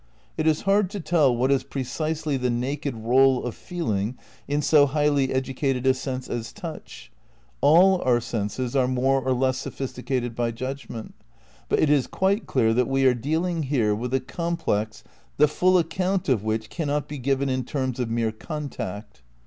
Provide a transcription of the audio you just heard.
It is hard to tell what is precisely the naked role of feeling in so highly educated a sense as touch — all our senses are more or less sophisticated by judgment — but it is quite clear that we are dealing here with a complex the full account of which cannot be given in terms of mere contact.